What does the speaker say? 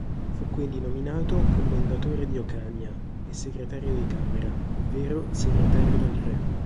Fu quindi nominato commendatore di Ocaña e segretario di camera ovvero segretario del re.